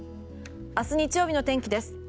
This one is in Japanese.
明日、日曜日の天気です。